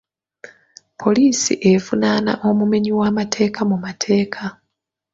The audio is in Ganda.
Poliisi evunaana omumenyi w'amateeka mu mateeka.